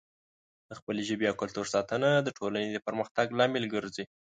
د خپلې ژبې او کلتور ساتنه د ټولنې د پرمختګ لامل ګرځي.